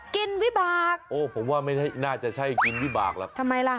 กินวิบากโอ้ผมว่าน่าจะใช่กินวิบากละทำไมล่ะ